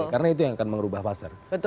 karena itu yang akan mengubah pasar